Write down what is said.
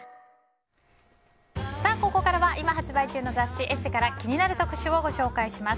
ここからは今発売中の雑誌「ＥＳＳＥ」から気になる特集をご紹介します。